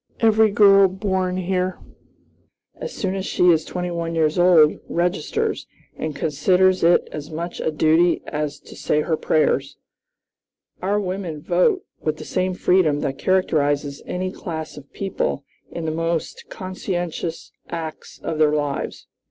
Every girl born here, as soon as she is twenty one years old, registers, and considers it as much a duty as to say her prayers. Our women vote with the same freedom that characterizes any class of people in the most conscientious acts of their lives."